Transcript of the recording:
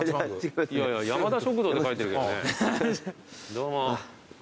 どうも。